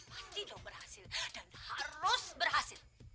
nanti dong berhasil dan harus berhasil